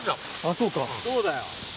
そうだよ。